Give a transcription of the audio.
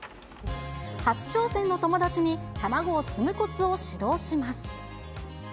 初挑戦の友達に卵を積むこつを指導します。